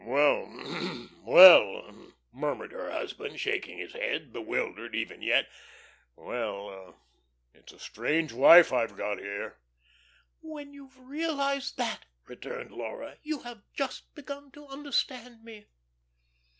"Well, well," murmured her husband, shaking his head, bewildered even yet. "Well, it's a strange wife I've got here." "When you've realised that," returned Laura, "you've just begun to understand me."